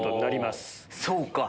そうか！